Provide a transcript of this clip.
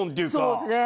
そうですね。